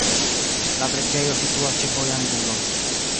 La preĝejo situas ĉe vojangulo.